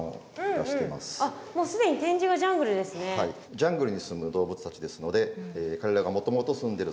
ジャングルにすむ動物たちですので彼らがもともとすんでる